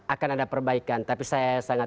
akan ada perbaikan tapi saya sangat